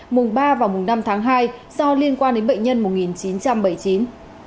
mùng ba và mùng năm tháng hai do liên quan đến bệnh nhân một nghìn chín trăm bảy mươi chín